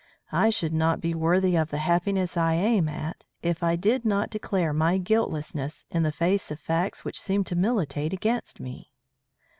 I should not be worthy of the happiness I aim at, if I did not declare my guiltlessness in the face of facts which seem to militate against me."